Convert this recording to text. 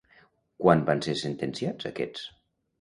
Quan van ser sentenciats aquests?